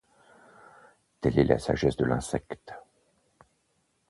Telle est la sagesse de l’insecte.